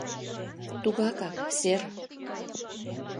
— Тугакак, сэр...